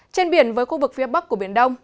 trên biển với khu vực phía bắc của biển đông